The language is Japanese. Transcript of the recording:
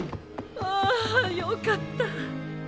あよかった。